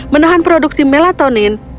menahan produksi melatonin